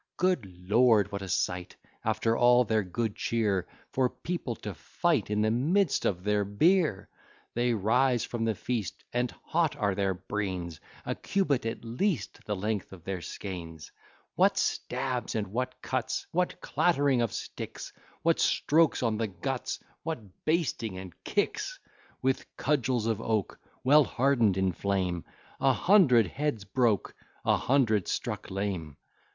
Good lord! what a sight, After all their good cheer, For people to fight In the midst of their beer! They rise from their feast, And hot are their brains, A cubit at least The length of their skeans. What stabs and what cuts, What clattering of sticks; What strokes on the guts, What bastings and kicks! With cudgels of oak, Well harden'd in flame, A hundred heads broke, A hundred struck lame.